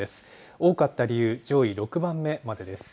多かった理由、上位６番目までです。